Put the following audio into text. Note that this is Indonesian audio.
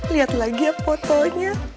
liat lagi ya fotonya